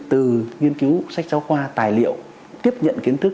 từ nghiên cứu sách giáo khoa tài liệu